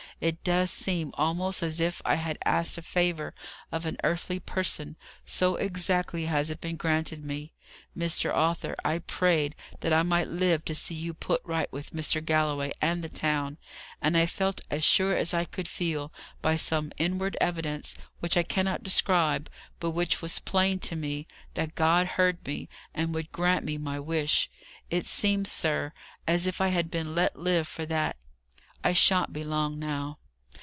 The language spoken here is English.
It does seem almost as if I had asked a favour of any earthly person, so exactly has it been granted me! Mr. Arthur, I prayed that I might live to see you put right with Mr. Galloway and the town, and I felt as sure as I could feel, by some inward evidence which I cannot describe, but which was plain to me, that God heard me, and would grant me my wish. It seems, sir, as if I had been let live for that. I shan't be long now."